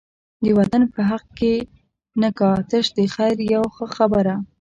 د وطن په حق کی نه کا، تش د خیر یوه خبره